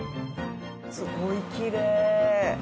すごいきれい。